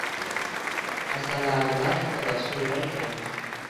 Asalarilar haqidagi sura ekan